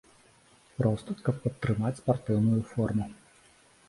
Проста, каб падтрымаць спартыўную форму.